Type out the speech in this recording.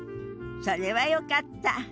それはよかった。